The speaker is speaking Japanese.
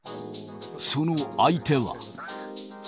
その相手は。